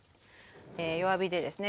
弱火でですね